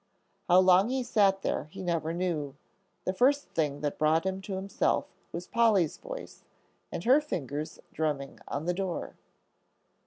How long he sat there he never knew. The first thing that brought him to himself was Polly's voice, and her fingers drumming on the door.